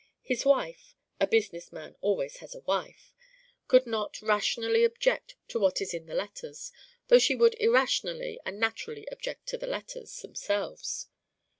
His wife a business man always has a wife could not rationally object to what is in the letters, though she would irrationally and naturally object to the letters themselves.